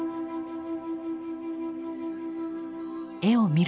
絵を見る時